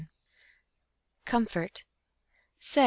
_" Comfort Say!